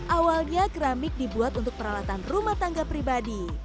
awalnya keramik dibuat untuk peralatan rumah tangga pribadi